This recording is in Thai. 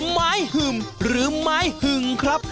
หึ่มหรือไม้หึงครับ